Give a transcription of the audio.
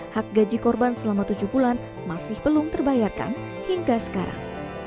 hak gaji korban selama tujuh bulan masih belum terbayarkan hingga sekarang